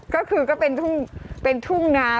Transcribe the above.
ก็คือก็เป็นทุ่งนา